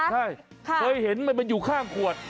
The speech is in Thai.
ใช่เคยเห็นมันอยู่ข้างขวด